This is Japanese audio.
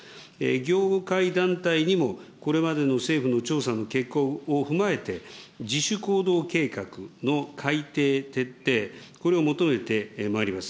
業界団体にもこれまでの政府の調査の結果を踏まえて、自主行動計画の改定徹底、これを求めてまいります。